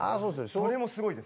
それもすごいです。